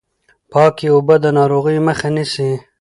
پاکې اوبه د ناروغیو مخه نیسي۔